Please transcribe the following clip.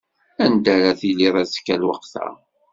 Anda ara tiliḍ azekka lweqt-a?